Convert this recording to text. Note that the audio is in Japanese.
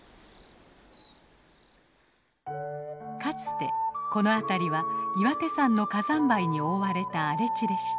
かつてこの辺りは岩手山の火山灰に覆われた荒れ地でした。